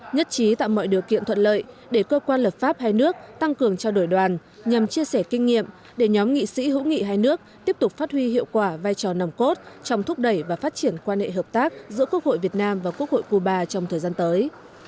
nhất trí tạo mọi điều kiện thuận lợi để cơ quan lập pháp hai nước tăng cường trao đổi đoàn nhằm chia sẻ kinh nghiệm để nhóm nghị sĩ hữu nghị hai nước tiếp tục phát huy hiệu quả vai trò nòng cốt trong thúc đẩy và phát triển quan hệ hợp tác giữa quốc hội việt nam và quốc hội cuba trong thời gian tới